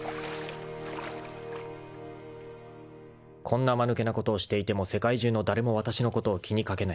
［こんなまぬけなことをしていても世界中の誰もわたしのことを気に掛けない］